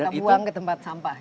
kita buang ke tempat sampah